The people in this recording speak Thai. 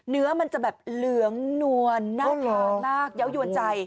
เนื้อมันจะแบบเหลืองนวลน่าทานมากเยาวยวนใจ